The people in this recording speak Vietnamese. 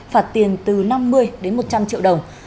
phạt tiền từ năm mươi đến một trăm linh triệu đồng